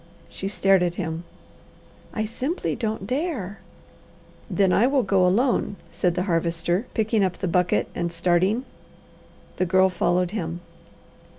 She stared at him. "I simply don't dare." "Then I will go alone," said the Harvester, picking up the bucket and starting. The Girl followed him.